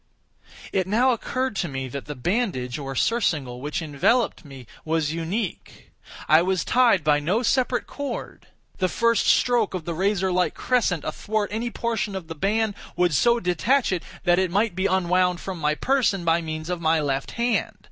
It now occurred to me that the bandage, or surcingle, which enveloped me, was unique. I was tied by no separate cord. The first stroke of the razorlike crescent athwart any portion of the band, would so detach it that it might be unwound from my person by means of my left hand.